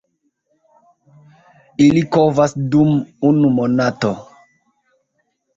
Ili kovas dum unu monato.